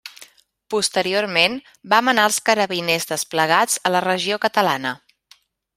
Posteriorment, va manar els carabiners desplegats a la regió catalana.